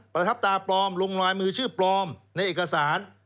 ประทับตาปลอมลงลายมือชื่อปลอมในเอกสาร